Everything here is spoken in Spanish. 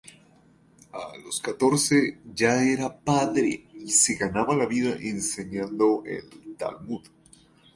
A los catorce ya era padre y se ganaba la vida enseñando el Talmud.